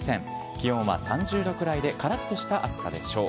気温は３０度くらいで、からっとした暑さでしょう。